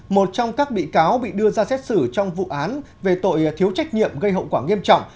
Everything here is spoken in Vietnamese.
một trong các bị cáo bị đưa ra xét xử trong vụ án về tội thiếu trách nhiệm gây hậu quả nghiêm trọng